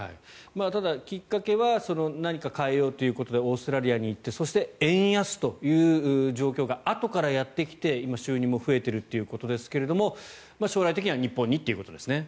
ただ、きっかけは何か変えようということでオーストラリアに行ってそして円安という状況があとからやってきて今、収入も増えているということですが将来的には日本にということですね。